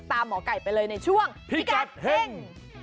ตามหมอกัยไปเลยในช่วงพิกัดเฮ่ง